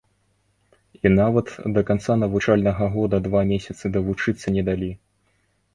І нават да канца навучальнага года два месяцы давучыцца не далі!